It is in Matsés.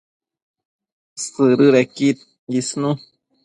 Sëdëdequid isnu